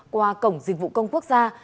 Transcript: qua cổng dịch vụ công quốc gia